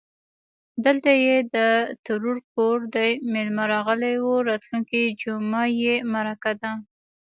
_دلته يې د ترور کور دی، مېلمه راغلی و. راتلونکې جومه يې مرکه ده.